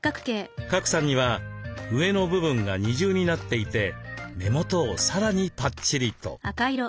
賀来さんには上の部分が二重になっていて目元をさらにぱっちりと。